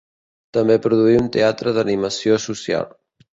També produí un teatre d'animació social.